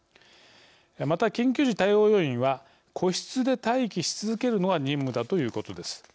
また、緊急時対応要員は個室で待機し続けるのが任務だということです。